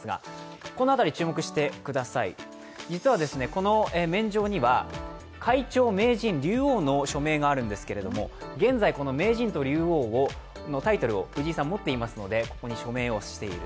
この免状には会長、名人、竜王の署名があるんですけれども現在、この名人と竜王のタイトルを藤井さん、持っていますのでここに署名をしている。